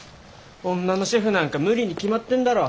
女のシェフなんか無理に決まってんだろ。